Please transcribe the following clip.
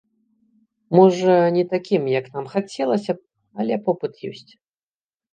Можа, не такім, як нам хацелася б, але попыт ёсць.